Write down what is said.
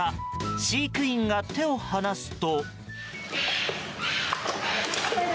飼育員が手を離すと。